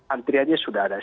antriannya sudah ada